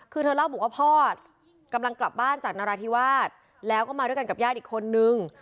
คือเธอเล่าบอกว่าพ่อกำลังกลับบ้านจากนราธิวาสแล้วก็มาด้วยกันกับญาติอีกคนนึง